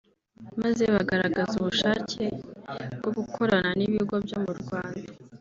maze bagaragaza ubushake bwo gukorana n’ibigo byo mu Rwanda